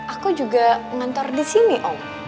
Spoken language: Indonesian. aku juga kantor disini om